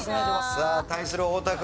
さあ対する太田君。